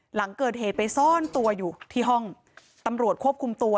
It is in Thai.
หลังเกิดเหตุไปซ่อนตัวอยู่ที่ห้องตำรวจควบคุมตัว